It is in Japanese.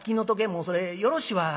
もうそれよろしいわ。